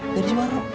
dari si warno